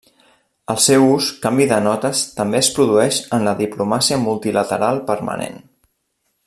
El seu ús, canvi de notes, també es produeix en la diplomàcia multilateral permanent.